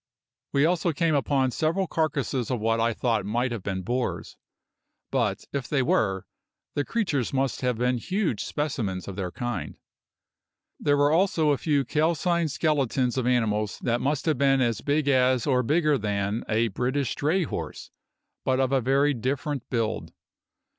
We also came upon several carcasses of what I thought might have been boars; but, if they were, the creatures must have been huge specimens of their kind. There were also a few calcined skeletons of animals that must have been as big as or bigger than a British dray horse, but of very different build.